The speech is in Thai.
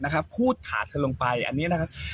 พูดถาเธอลงไปอันนี้นะครับ